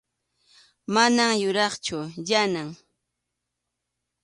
Mana yuraqchu Yanam.